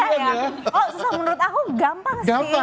oh susah menurut aku gampang sih